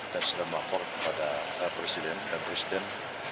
dan sedang melaporkan kepada presiden dan presiden